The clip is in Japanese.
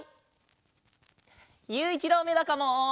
ゆういちろうめだかも。